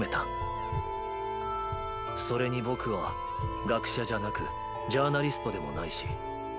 それにぼくは学者じゃなくジャーナリストでもないし。